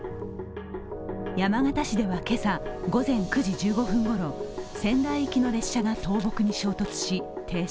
山形市では今朝午前９時１５分ごろ仙台行きの列車が倒木に衝突し、停車。